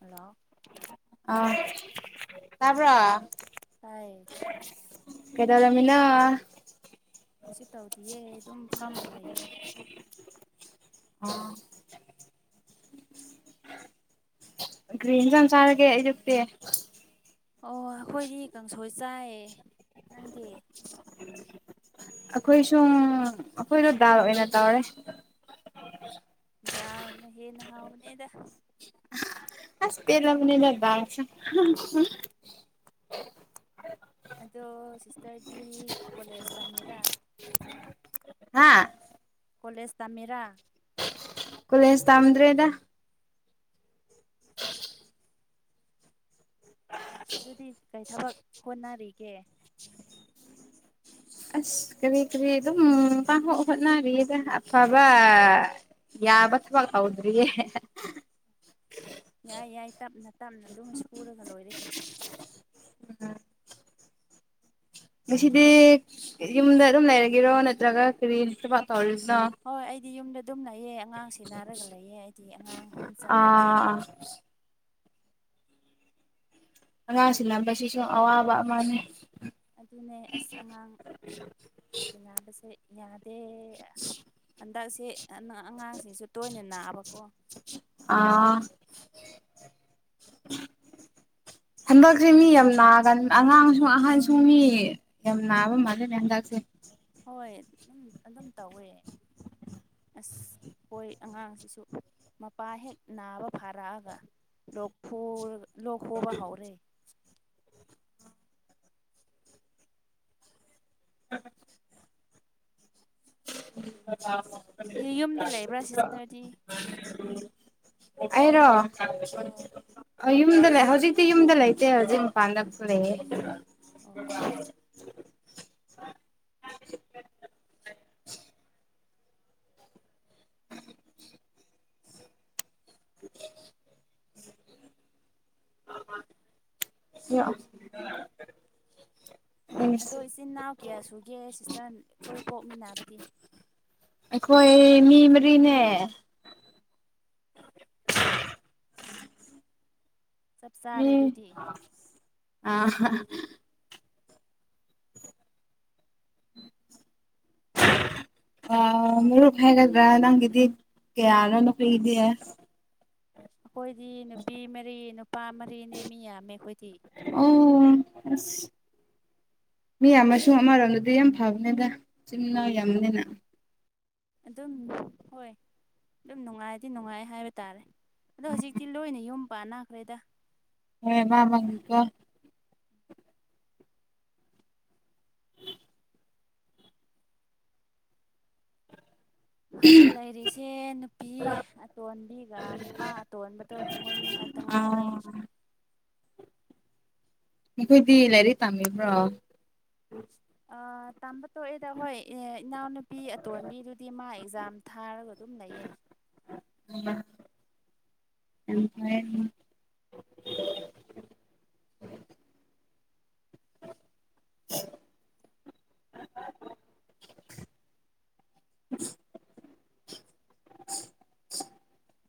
hello ꯑ ꯇꯥꯄ꯭ꯔ ꯇ ꯀꯦꯗꯗꯃꯤꯅ ꯀꯁꯨ ꯇꯧꯗꯌꯦ ꯑꯗꯨꯝ ꯐꯥꯝꯅ ꯂꯩꯌꯦ ꯑ [unintelligible] ꯀꯔꯤ ꯏꯟꯖꯪ ꯆꯥꯔꯒꯦ ꯑꯩꯌꯨꯛꯇꯤ ꯑꯣ ꯑꯩꯈꯣꯏꯗꯤ ꯀꯥꯡꯁꯣꯏ ꯆꯥꯏ ꯅꯪꯗꯤ ꯑꯩꯈꯣꯏ ꯁꯨꯝ ꯑꯩꯈꯣꯏꯗꯣ ꯗꯥꯜ ꯑꯣꯏꯅ ꯇꯧꯔꯦ ꯗꯥꯅ ꯍꯦꯟꯅ ꯍꯥꯎꯕꯅꯦꯗ ꯑꯁ ꯄꯦꯜꯂ ꯕꯅꯤꯘ ꯘꯥꯜꯁꯦ ꯑꯗꯣ ꯁꯤꯁꯇꯔꯗꯤ ꯀꯣꯂꯦꯖ ꯇꯝꯃꯤꯔꯥ ꯍꯥ ꯀꯣꯂꯦꯖ ꯇꯥꯝꯃꯤꯔꯥ ꯀꯨꯂꯦꯁ ꯇꯗ꯭ꯔꯦꯗ ꯑꯗꯨꯗꯤ ꯀꯩ ꯊꯕꯛ ꯍꯣꯠꯅꯔꯤꯒꯦ ꯑꯁ ꯀꯔꯤ ꯀꯔꯤ ꯑꯗꯨꯝ ꯄꯥꯡ ꯍꯣꯛ ꯍꯣꯠꯅꯔꯤꯁ ꯑꯐꯕ ꯌꯥꯕꯁꯕꯥꯛ ꯇꯎꯗ꯭ꯔꯤꯌꯦ ꯌꯥꯏ ꯌꯥꯏ ꯇꯞꯅ ꯇꯞꯅ ꯑꯗꯨꯝ ꯁꯨꯔꯒ ꯂꯣꯏꯔꯦ ꯉꯁꯤꯗꯤ ꯅꯠꯇ꯭ꯔꯣ ꯌꯨꯝꯗ ꯑꯗꯨꯝ ꯂꯩꯔꯒꯤꯔꯣ ꯅꯠꯇ꯭ꯔꯒ ꯀꯔꯤ ꯊꯕꯥꯛ ꯇꯧꯔꯤꯁꯤꯅꯣ ꯍꯣꯏ ꯑꯩꯗꯤ ꯌꯨꯝꯗ ꯑꯗꯨꯝ ꯂꯩꯌꯦ ꯑꯉꯥꯡꯁꯤ ꯅꯥꯔꯒ ꯂꯩꯌꯦ ꯑꯩꯗꯤ ꯑꯉꯥꯡ ꯃꯆꯥ ꯂꯩꯕꯒꯤꯀꯣ ꯑꯥ.... ꯑꯉꯥꯡꯁꯤꯡ ꯂꯝꯕꯁꯤꯁꯨ ꯑꯋꯥꯕ ꯑꯃꯅꯤ ꯑꯗꯨꯅꯦ ꯑꯁ ꯑꯉꯥꯡ ꯊꯦꯡꯕꯁꯦ ꯌꯥꯗꯦ ꯍꯟꯗꯛꯁꯦ ꯑꯉꯥꯡꯁꯤꯁꯨ ꯇꯣꯏꯅ ꯅꯥꯑꯕꯀꯣ ꯑꯥ ꯍꯟꯗꯛꯁꯦ ꯃꯤ ꯌꯥꯝ ꯅꯥꯒꯅꯤ ꯑꯉꯥꯡꯁꯨ ꯑꯍꯟꯁꯨ ꯃꯤ ꯌꯥꯝ ꯅꯥꯕ ꯃꯜꯂꯤꯅꯦ ꯍꯟꯗꯛꯇꯤ ꯍꯣꯏ ꯎꯝ ꯑꯗꯨꯝ ꯇꯧꯋꯦ ꯑꯁ ꯍꫭꯏ ꯑꯉꯥꯡꯁꯤꯁꯨ ꯃꯄꯥ ꯍꯦꯛ ꯅꯥꯕ ꯐꯥꯔꯛꯑꯒ ꯂꯣꯛꯈꯨ ꯂꯣꯛ ꯈꯨꯕ ꯍꯥꯎꯔꯦ [unintelligible] ꯑꯦ ꯌꯨꯝꯗ ꯂꯩꯕ꯭ꯔ ꯁꯤꯁꯇꫪꯗꯤ ꯑꯩꯔꯣ ꯑꯣ ꯌꯨꯝꯗ ꯂꯩ ꯍꯧꯖꯤꯛꯇꯤ ꯌꯨꯝꯗ ꯂꯩꯇꯦ ꯍꯧꯖꯤꯛ ꯃꯄꯥꯟꯗꯁꯨ ꯂꯩꯌꯦ ꯑ ꯑꯣ ꯑꯣ ꯌꯥ ꯑꯗꯣ ꯑꯩꯈꯣꯏ ꯏꯆꯤꯟ ꯏꯅꯥꯎ ꯀꯌꯥ ꯁꯨꯒꯦ ꯁꯤꯁꯇꯔ ꯑꯩꯈꯣꯏ ꯄꯣꯛ ꯃꯤꯅꯥꯕꯗꯤ ꯑꯩꯈꯣꯏ ꯃꯤ ꯃꯔꯤꯅꯦ ꯃꯤ ꯁꯞꯁꯔꯦꯗꯨꯇꯤ [unintelligible] [unintelligible] ꯃꯔꯨꯞ ꯍꯥꯏꯔꯒ ꯅꯪꯒꯤꯗꯤ ꯀꯌꯥꯅꯣ ꯅꯈꫭꯏꯒꯤꯗꯤ ꯑꯩꯈꯣꯏꯗꯤ ꯅꯨꯄꯤ ꯃꯔꯤ ꯅꯨꯄꯥ ꯃꯔꯤꯅꯦ ꯃꯤ ꯌꯥꯝꯃꯦ ꯑꯩꯈꯣꯏꯗꯤ [unintelligible] ꯃꯤ ꯌꯥꯝꯃꯁꯨ ꯑꯃꯔꯣꯝꯗꯗꯤ ꯌꯥꯝ ꯐꯕꯅꯤꯗ ꯆꯤꯟꯅꯥꯎ ꯌꯥꯝꯕꯅꯤꯅ ꯑꯗꯨꯝ ꯍꯣꯏ ꯑꯗꯨꯝ ꯅꯨꯡꯉꯥꯏꯗꯤ ꯅꯨꯡꯉꯥꯏ ꯍꯥꯏꯕ ꯇꯥꯔꯦ ꯑꯗꯣ ꯍꯧꯖꯤꯛꯇꯤ ꯂꯣꯏꯅ ꯌꯨꯝ ꯄꯥꯟꯅꯈ꯭ꯔꯦꯗ [unintelligible] [inaudible] ꯍꯧꯖꯤꯛ ꯂꯩꯔꯤꯁꯤ ꯁꯦ ꯅꯨꯄꯤ ꯑꯇꯣꯟꯕꯤꯒ ꯅꯨꯄꯥ ꯑꯇꯣꯟꯕꯗꯣ ꯃꯣꯏꯅꯤ ꯈꯛꯇ ꯑ ꯉꯥꯏꯔꯦ ꯃꯈꯣꯏꯗꯤ ꯂꯥꯏꯔꯤꯛ ꯇꯝꯃꯤꯕ꯭ꯔꯣ [inaudible] ꯇꯝꯕ ꯇꯣꯛꯑꯦꯗ ꯍꯣꯏ ꯏꯅꯥꯎꯅꯨꯄꯤ ꯑꯇꯣꯟꯕꯤꯗꯨꯗꯤ ꯃꯥ ꯑꯦꯛꯖꯥꯝ ꯊꯥꯔꯒ ꯑꯗꯨꯝ ꯂꯩꯌꯦ [unintelligible] [inaudible] [unintelligible]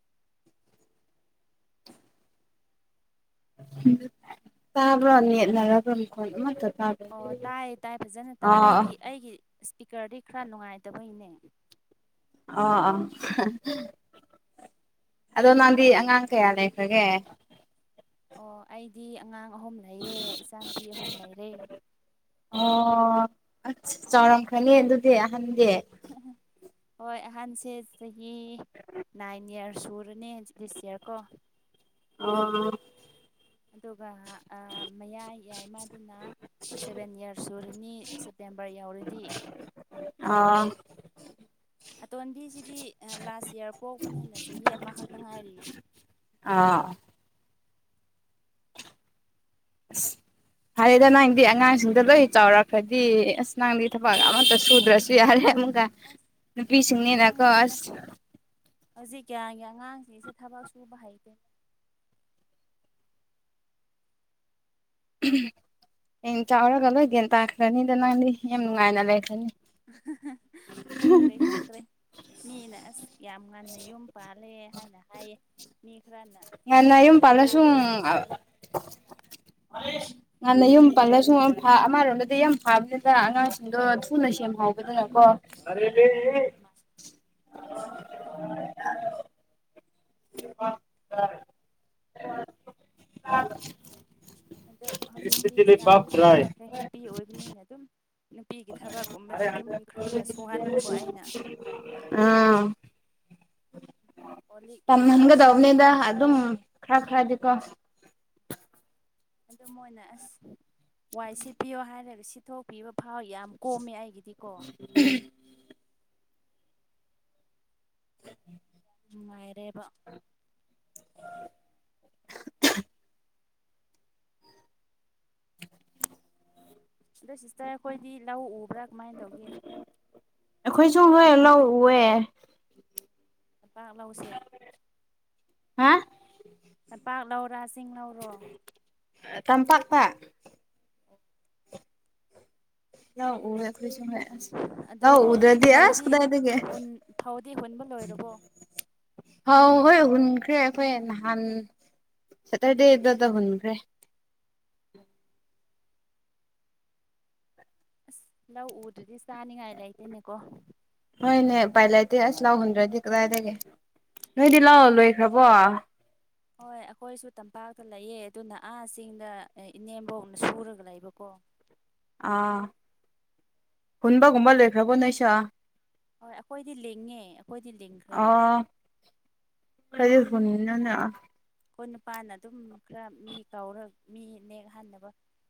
ꯇꯥꯕ꯭ꯔꯣ ꯅꯦꯠꯅꯔ ꯈꯪꯗꯦ ꯑꯝꯃꯇ ꯇꯥꯗꯦ ꯑꯣ ꯇꯥꯏ ꯇꯥꯏ ꯐꯖꯅ ꯇꯥꯏ ꯑꯣ ꯑꯩꯒꯤ ꯑꯩꯒꯤ ꯏꯁꯄꯤꯀꫪꯗꯤ ꯈꯔ ꯅꯨꯡꯉꯥꯏꯇꯕꯩꯅꯦ ꯑꯣ ꯑꯥ ꯑꯗꯣ ꯅꯪꯗꯤ ꯑꯉꯥꯡ ꯀꯌꯥ ꯂꯩꯈ꯭ꯔꯒꯦ ꯑꯣ ꯑꯩꯗꯤ ꯑꯉꯥꯡ ꯑꯍꯨꯝ ꯂꯩꯌꯦ ꯏꯆꯥꯅꯨꯄꯤ ꯑꯍꯨꯝ ꯂꯩꯔꯦ ꯑꯣ ꯆꯥꯎꯔꯝꯈꯅꯤ ꯑꯗꯨꯗꯤ ꯑꯍꯟꯗꯤ ꯍꯣꯏ ꯑꯍꯥꯟꯕꯁꯦ ꯆꯍꯤ ꯅꯥꯏꯟ ꯏꯌꯥꫪꯁ ꯁꯨ ꯗꯨꯅꯦ ꯗꯤꯁ ꯏꯌꯥꫪ ꯀꯣ [unintelligible] ꯑꯗꯨꯒ ꯃꯌꯥꯏ ꯌꯥꯏꯃꯗꯨꯅ ꯁꯚꯦꯟ ꯏꯌꯥꫪꯁ ꯁꯨꯨꯔꯅꯤ ꯁꯦꯞꯇꯦꯝꯕꫪ ꯌꯧꯔꯗꯤ ꯑꫭ ꯑꯇꯣꯟꯕꯤꯁꯤꯗꯤ ꯑ ꯂꯥꯁ ꯏꯌꯥꫪ ꯄꯣꯛꯄꯅꯦꯅ ꯆꯍꯤ ꯑꯃꯈꯛꯇ ꯉꯥꯏꯔꯤꯌꯦ ꯑꯥ [inaudible] ꯐꯔꯦꯗ ꯅꯪꯗꯤ ꯑꯉꯥꯡꯁꯤꯡꯗ ꯂꯣꯏ ꯆꯥꯎꯔꯛꯈ꯭ꯔꯗꯤ ꯑꯁ ꯅꯪꯗꯤ ꯊꯕꯛ ꯑꯃꯇ ꯁꯨꯗ꯭ꯔꯁꯨ ꯌꯥꯔꯦ ꯑꯃꯨꯛꯀ ꯑꯁ ꯅꯨꯄꯤꯁꯤꯡꯅꯤꯅ ꯀꫭ ꯈꯪꯗꯦꯗ ꯑꯁ ꯍꯧꯖꯤꯛ ꯒꯥꯟꯒꯤ ꯑꯉꯥꯡꯁꯤꯡꯁꯦ ꯊꯕꯛ ꯁꯨꯕ ꯍꯩꯇꯦ ꯍꯌꯦꯡ ꯆꯥꯎꯔꯒ ꯂꯣꯏ ꯒꯦꯟ ꯇꯥꯈ꯭ꯔꯅꯤꯗ ꯅꯪꯗꯤ ꯌꯥꯝ ꯅꯨꯡꯉꯥꯏꯅ ꯂꯩꯈ꯭ꯔꯅꯤ ꯈꯪꯗ꯭ꯔꯦ ꯈꯪꯗ꯭ꯔꯦ ꯃꯤꯅ ꯑꯁ ꯌꯥꯝ ꯉꯟꯅ ꯌꯨꯝ ꯄꯥꯜꯂꯦ ꯍꯥꯏꯅ ꯍꯥꯏꯌꯦ ꯃꯤ ꯈꯔꯅ ꯉꯥꯟꯅ ꯃꯌꯨꯝ ꯄꯥꯊꯣꯛꯕꯁꯀ ꯐꯩꯌꯦ ꯑꯂꯁ ꯉꯥꯟꯟꯅ ꯌꯨꯝ ꯄꯜꯂꯁꯨ ꯑꯃꯔꯣꯝꯗ ꯌꯥꯝ ꯐꯥꯕꯅꯤꯗ ꯑꯉꯥꯡꯁꯤꯡꯗꯣ ꯊꯨꯅ ꯁꯦꯝꯍꯥꯎꯕꯗꯨꯅꯀꯣ ꯑꯔ ꯂꯩ [inaudible] ꯑꯗꯣ ꯍꯧꯖꯤꯛꯇꯤ ꯆꯥꯎꯗꯤ ꯆꯥꯎꯔꯛꯈ꯭ꯔꯦ ꯅꯨꯄꯤ ꯑꯣꯏꯕꯅꯤꯅ ꯑꯗꯨꯝ ꯅꯨꯄꯤꯒꯤ ꯊꯕꯛꯀꯨꯝꯕꯗꯤ ꯑꯗꯨꯝ ꯈꯔ ꯈꯔ ꯁꯨꯍꯟꯕꯀꯣ ꯑꯩꯅ ꯑꯥ ꯀꯣ ꯂꯤꯛ ꯐꯦꯡꯉꯣ ꯇꯝꯍꯟꯒꯗꯧꯕꯅꯤꯗ ꯍꯥꯏꯕꯒꯨꯝꯕꯗꯤ ꯑꯗꯨꯝ ꯐꯦꯡꯉꯦ ꯈꯔ ꯈꯔꯗꯤꯀꯣ ꯑꯗꯨ ꯃꯣꯏꯅ ꯑꯁ ꯋꯥꯏ ꯁꯤꯠꯄꯤꯌꯣ ꯍꯥꯏꯔꯒ ꯁꯤꯊꯣꯛꯄꯤꯕ ꯐꯥꯎ ꯌꯥꯝ ꯀꯣꯝꯃꯦ ꯑꯩꯒꯤꯗꯤ ꯀꯣ ꯅꯨꯉꯥꯏꯔꯦꯕ ꯑꯗꯣ ꯁꯤꯁꯇꯔ ꯑꯩꯈꯣꯏꯗꯤ ꯂꯧ ꯎꯕ꯭ꯔꯥ ꯀꯃꯥꯏ ꯇꯧꯒꯦ ꯑꯩꯈꯣꯏꯁꯨ ꯍꯣꯏ ꯂꯧ ꯎꯋꯦ ꯃꯄꯥꯛ ꯂꯧꯁꯦ ꯍꯥ ꯅꯄꯥꯛ ꯂꯧꯔ ꯆꯤꯡ ꯂꯧꯔꯣ ꯇꯝꯄꯥꯛꯇ ꯂꯧ ꯎꯔꯦ ꯑꯩꯈꯣꯏꯁꯨꯅꯦ ꯑꯗꯣ ꯂꯧ ꯎꯗꯔꯗꯤ ꯑꯁ ꯐꯧꯗꯤ ꯀꯗꯥꯏꯗꯒꯤ ꯐꯧꯗꯤ ꯍꯨꯟꯕ ꯂꯣꯏꯔꯕꯣ ꯐꯥꯎ ꯍꯣꯏ ꯍꯨꯟꯈ꯭ꯔꯦ ꯑꯩꯈꯣꯏ ꯅꯍꯥꯟ ꯁꯇꯔꯗꯦꯗꯥ ꯍꯨꯟꯈ꯭ꯔꯦ ꯑꯣ ꯑꯁ ꯂꯧ ꯎꯗꯔꯗꯤ ꯆꯥꯅꯤꯡꯉꯥꯏ ꯂꯩꯇꯦꯅꯦꯀꯣ ꯍꯣꯏꯅꯦ ꯎꯄꯥꯏ ꯂꯩꯇꯦ ꯑꯁ ꯂꯧ ꯍꯨꯟꯗ꯭ꯔꯗꯤ ꯀꯗꯥꯏꯗꯒꯤ ꯅꯣꯏꯗꯤ ꯂꯧ ꯂꯣꯏꯈ꯭ꯔꯕꯣ ꯍꯣꯏ ꯑꯩꯈꯣꯏꯁꯨ ꯇꯝꯄꯥꯛꯇ ꯂꯩꯌꯦ ꯑꯗꯨꯅ ꯑꯥ ꯆꯤꯡꯗ ꯏꯅꯦꯝꯕꯣꯛꯅ ꯁꯨꯔꯒ ꯂꯩꯕꯀꯣ ꯑꯥ ꯍꯨꯟꯕꯒꯨꯝꯕ ꯂꯣꯏꯈ꯭ꯔꯕꯣ ꯅꯣꯏ ꯁꯨ ꯍꯣꯏ ꯑꯩꯈꯣꯏꯗꯤ ꯂꯤꯡꯉꯦ ꯑꯩꯈꯣꯏꯗꯤ ꯂꯤꯡ ꯑ ꯈꯣꯏ ꯍꯨꯟꯅꯅꯦ ꯑꯩꯈꯣꯏ ꯅꯨꯄꯥꯅ ꯑꯗꯨꯝ ꯈꯔ ꯃꯤ ꯀꯥꯎꯔ ꯃꯤ ꯅꯦꯛꯍꯟꯅꯕ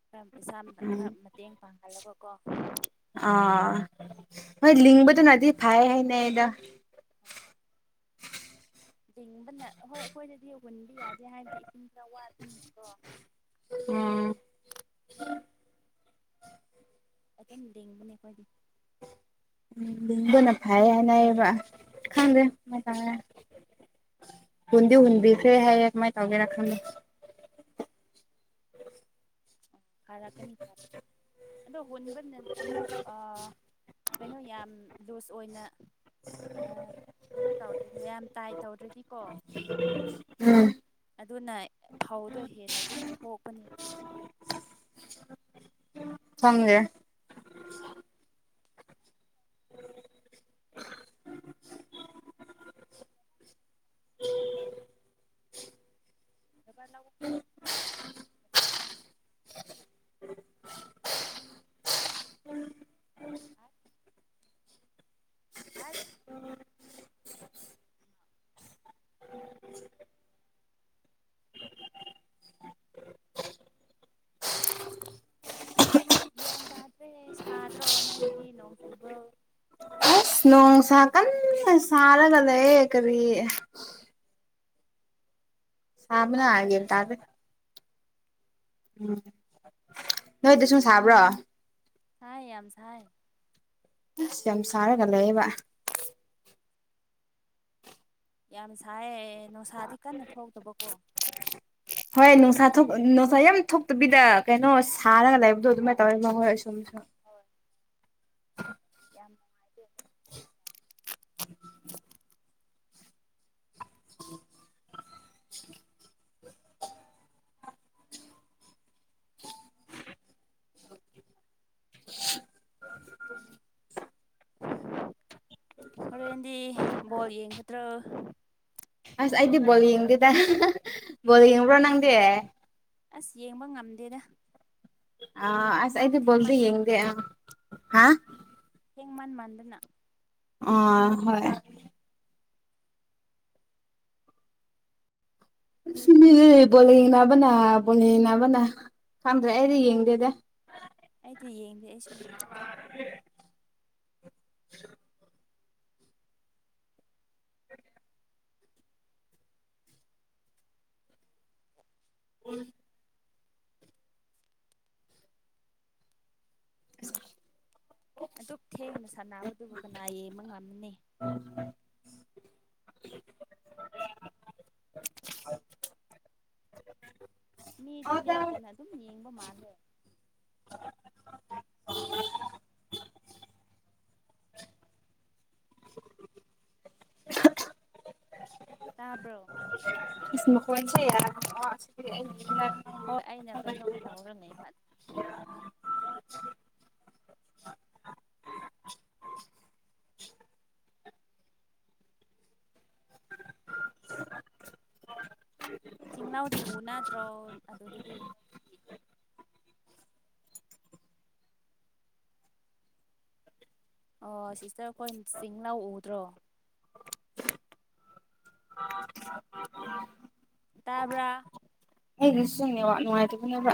ꯈꯔ ꯄꯩꯁꯥ ꯎꯝ ꯈꯔ ꯃꯇꯦꯡ ꯄꯥꯡꯍꯜꯂꯕꯀꯣ ꯑꯥ ꯍꯣꯏ ꯂꯤꯡꯕꯗꯨꯅꯗꯤ ꯐꯩ ꯍꯥꯏꯅꯦꯗ ꯂꯤꯡꯕꯅ ꯍꯣꯏ ꯑꯩꯈꯣꯏꯗꯗꯤ ꯍꯨꯟꯕ ꯌꯥꯗꯦ ꯍꯥꯏꯗꯤ ꯏꯁꯤꯡ ꯈꯔ ꯋꯥꯕꯅꯤꯅꯀꯣ ꯎꯝ ꯑꯗꯨꯝ ꯂꯤꯡꯕꯅꯦ ꯑꯩꯈꯣꯏꯗꯤ ꯎꯝ ꯂꯤꯡꯕꯅ ꯐꯩ ꯍꯥꯏꯅꯩꯌꯦꯕ ꯈꯪꯗꯦ ꯍꯨꯟꯗꯤ ꯍꯨꯟꯕꯤꯈ꯭ꯔꯦ ꯍꯥꯏꯌꯦ ꯀꯃꯥꯏꯅ ꯇꯧꯒꯦꯔ ꯈꯪꯗꯦ ꯑꯣ ꯑꯣ ꯐꯥꯔꯛꯀꯅꯤ ꯐꯔꯛꯀꯅꯤ ꯑꯗꯣ ꯍꯨꯟꯕ ꯅ ꯑꯃꯨꯛ ꯑꯥ ꯀꯩꯅꯣ ꯌꯥꯝ ꯂꯨꯖ ꯑꯣꯏꯅ ꯀꯩꯅꯣ ꯇꯧꯗ꯭ꯔ ꯌꯥꯝ ꯇꯥꯏ ꯇꯧꯗ꯭ꯔꯗꯤꯀꯣ ꯎꯝ ꯑꯗꯨꯅ ꯐꯧꯗꯣ ꯍꯦꯟꯅ ꯑꯗꯨꯝ ꯊꯣꯛꯄꯅꯦꯕ ꯈꯪꯗꯦ ꯅꯣꯏꯕ ꯂꯧ [unintelligible] [unintelligible] ꯍꯥꯜ [inaudible] ꯑꯁ ꯒ꯭ꯌꯥꯟ ꯇꯥꯗ꯭ꯔꯦ ꯁꯥꯗ꯭ꯔꯣ ꯅꯣꯏꯗꯗꯤ ꯅꯣꯡꯖꯨꯕ꯭ꯔꯣ ꯅꯣꯡ ꯁꯥ ꯀꯤꯟꯅ ꯁꯥꯔꯒ ꯂꯩꯌꯦ ꯀꯔꯤ ꯁꯕꯅ ꯁꯥꯃꯟꯗꯅ ꯒꯌꯥꯟ ꯇꯥꯗꯦ ꯑꯁꯦꯡꯕ ꯎꯝ ꯅꯣꯏꯗꯁꯨ ꯁꯥꯕ꯭ꯔꯣ ꯁꯥꯢ ꯌꯥꯝ ꯁꯥꯏ ꯑꯁ ꯌꯥꯝ ꯁꯥꯔꯒ ꯂꯩꯑꯦꯕ ꯌꯥꯝ ꯁꯥꯏꯑꯦ ꯅꯨꯡꯁꯥꯗꯤ ꯀꯟꯅ ꯊꯣꯛꯇꯕꯀꯣ ꯍꯣꯏ ꯅꯨꯡꯁꯥ ꯊꯣꯛ ꯅꯨꯡꯁꯥ ꯌꯥꯝ ꯊꯣꯛꯇꯕꯤꯗ ꯀꯩꯅꯣ ꯁꯥꯔꯒ ꯂꯩꯕꯗꯣ ꯑꯗꯨꯃꯥꯏꯅ ꯇꯧꯋꯦ ꯃꯈꯣꯏ ꯆꯨꯝꯖꯨ ꯍꯣꯏ [inaudible] ꯌꯥꯝ [unintelligible] [unintelligible] ꯍꯣꯔꯦꯟꯗꯤ ꯕꯣꯜ ꯌꯦꯡꯒꯗ꯭ꯔꯣ ꯑꯁ ꯑꯩꯗꯤ ꯕꯣꯜ ꯌꯦꯡꯗꯦꯗ ꯕꯣꯜ ꯌꯦꯡꯕ꯭ꯔꯣ ꯅꯪꯗꯦ ꯑꯁ ꯌꯦꯡꯕ ꯉꯝꯗꯦꯗ ꯑ ꯑꯁ ꯊꯦꯡꯃꯟ ꯑꯩꯗꯤ ꯕꯣꯜꯗꯤ ꯌꯦꯡꯗꯦ ꯊꯦꯡꯃꯟꯗꯅꯀꯣ ꯍꯥ ꯊꯦꯡꯃꯟ ꯃꯥꯟꯗꯅ ꯑꯥ ꯍꯣꯢ ꯕꯣꯜ ꯌꯦꯡꯅꯕꯅ ꯕꯣꯜ ꯌꯦꯡꯅꯕꯅ ꯈꯪꯗ꯭ꯔꯦ ꯑꯩꯗꯤ ꯌꯦꯡꯗꯦꯗ ꯑꯩꯗꯤ ꯌꯦꯡꯗꯦ ꯑꯩꯁꯨ ꯌꯦꯡ [inaudible] ꯎ [inaudible] [inaudible] ꯑꯗꯨꯛ ꯊꯦꯡꯅ ꯁꯥꯟꯅꯕꯗꯨꯕꯨ ꯀꯅꯥ ꯌꯦꯡꯕ ꯉꯝꯅꯤ [inaudible] ꯃꯤꯗꯤ ꯂꯦꯞꯇꯅ ꯑꯗꯨꯝ ꯌꯦꯡꯕ ꯃꯥꯜꯂꯦ ꯇꯥꯕ꯭ꯔꯣ ꯏꯁ ꯃꯈꯣꯟꯁꯦ ꯌꯥꯗꯔꯦ [unintelligible] ꯍꯣꯏ ꯑꯩꯅ ꯀꯩꯅꯣꯝꯃ ꯇꯧꯔ ꯂꯩꯕ ꯆꯤꯡꯂꯥꯎꯗꯤ ꯎꯅꯗ꯭ꯔꯣ ꯑꯗꯨꯗꯗꯤ ꯑꯣ ꯁꯤꯁꯇ꯭ꯔ ꯈꯣꯏ ꯆꯤꯡ ꯂꯥꯎ ꯎꯗ꯭ꯔꯣ [inaudible] ꯇꯥꯕ꯭ꯔꯥ ꯑꯩꯒꯤ ꯐꯣꯜ ꯅꯦꯠꯋꯥꯛ ꯅꯨꯡꯉꯥꯏꯇꯕꯅꯦꯕ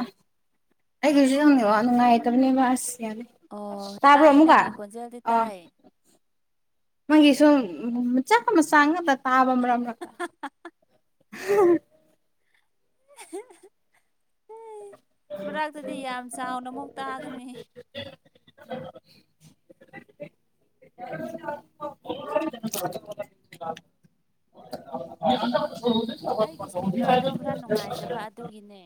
ꯑꯩꯒꯤꯖꯨ ꯑꯣ ꯅꯦꯠꯋꯥꯛ ꯅꯨꯡꯉꯥꯏꯇꯕꯅꯦꯕ ꯑꯁ ꯌꯥꯗꯦ ꯑꯣ ꯇꯥꯕ꯭ꯔꯣ ꯇꯥꯏ ꯅꯪꯒꯤ ꯈꯣꯟꯖꯦꯜꯗꯤ ꯇꯥꯏ [unintelligible] ꯅꯪꯒꯤ ꯁꯨꯝ ꯃꯆꯥ ꯃꯆꯥ ꯉꯥꯛꯇ ꯇꯥꯕ ꯃꯔꯛ ꯃꯔꯛꯇ ꯃꯔꯥꯛꯇꯗꯤ ꯌꯥꯝ ꯆꯥꯎꯅ ꯑꯃꯨꯛ ꯇꯥꯒꯅꯤ [inaudible] [inaudible] [inaudible] ꯑꯩꯒꯤ ꯏꯁꯄꯤꯀꯔꯗꯣ ꯈꯔ ꯅꯨꯡꯉꯥꯏꯇꯕ ꯑꯗꯨꯒꯤꯅꯦ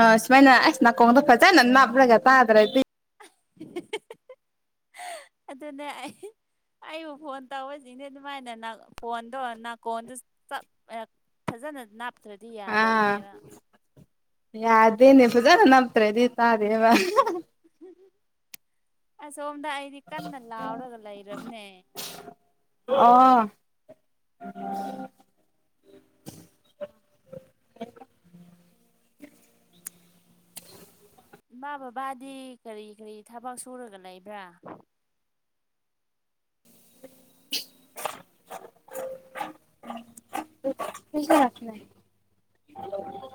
ꯑꯥ ꯁꯨꯃꯥꯏꯅ ꯑꯁ ꯅꯥꯀꯣꯡꯗ ꯐꯖꯅ ꯅꯥꯞꯔꯒ ꯇꯥꯗ꯭ꯔꯗꯤ ꯑꯗꯨꯅꯦ ꯑꯩ ꯑꯩꯕꯨ ꯐꯣꯟ ꯇꯧꯕꯖꯤꯟꯅꯦ ꯑꯗꯨꯃꯥꯏꯅ ꯐꯣꯟꯗꯣ ꯅꯥꯀꯣꯟꯗ ꯆꯞ ꯑ ꯐꯖꯅ ꯅꯥꯞꯇ꯭ꯔꯗꯤ ꯑꯥ ꯌꯥꯗꯕꯅꯦꯕ ꯌꯥꯗꯦꯅꯦ ꯐꯥꯖꯟꯅ ꯅꯞꯇ꯭ꯔꯗꯤ ꯇꯥꯗꯦꯕ ꯑꯁꯣꯝꯗ ꯑꯩꯗꯤ ꯀꯟꯅ ꯂꯥꯎꯔꯒ ꯂꯩꯔꯕꯅꯦ ꯑꯣ ꯏꯃꯥ ꯕꯕꯥꯗꯤ ꯀꯔꯤ ꯀꯔꯤ ꯊꯕꯛ ꯁꯨꯔꯒ ꯂꯩꯕ꯭ꯔꯥ [inaudible] [unintelligible]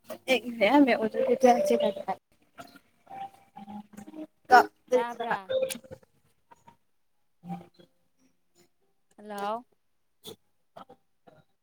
[unintelligible] ꯇꯥꯕ꯭ꯔꯥ ꯍꯜꯂꯣ [unintelligible]